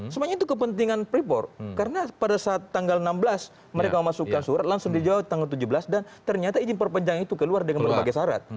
semuanya itu kepentingan pripor karena pada saat tanggal enam belas mereka memasukkan surat langsung dijawab tanggal tujuh belas dan ternyata izin perpenjangan itu keluar dengan berbagai syarat